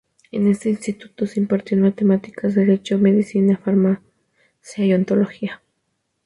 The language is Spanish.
En este instituto se impartían Matemáticas, Derecho, Medicina, Farmacia y Odontología.